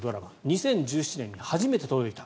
２０１７年に初めて届いた。